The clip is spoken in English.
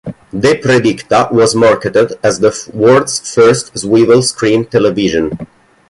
The Predicta was marketed as the world's first swivel screen television.